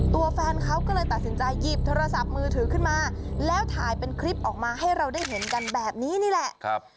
ตัวแฟนเขาก็เลยตัดสินใจหยิบโทรศัพท์มือถือขึ้นมาแล้วถ่ายเป็นคลิปออกมาให้เราได้เห็นกันแบบนี้นี่แหละ